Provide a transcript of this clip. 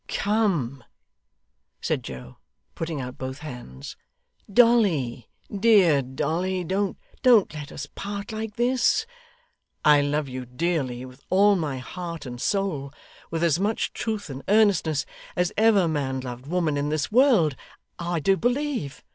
'Come,' said Joe, putting out both hands, 'Dolly, dear Dolly, don't let us part like this. I love you dearly, with all my heart and soul; with as much truth and earnestness as ever man loved woman in this world, I do believe.